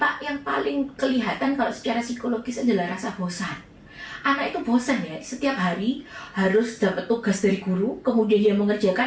kita face to face face to face kita bisa lihat oh anak ini bosan dia perlu pendekatan yang lain